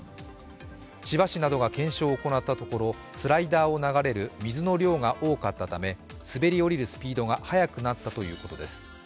千葉市などが検証を行ったところスライダーを流れる水の量が多かったため滑り降りるスピードが速くなったということです。